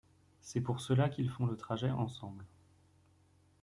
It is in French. C'est pour cela qu’ils font le trajet ensemble.